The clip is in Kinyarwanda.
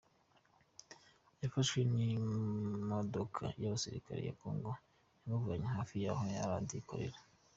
Yafahwe n’imodoka y’abasirikare ba Congo yamuvanye hafi y’aho iyo radiyo ikorera.